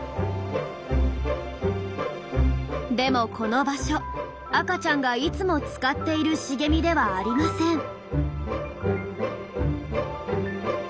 でもこの場所赤ちゃんがいつも使っている茂みではありません。